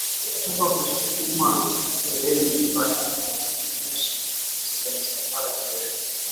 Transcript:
Epuka kusukuma mifugo yenye mimba na inayonyonyesha katika misafara mirefu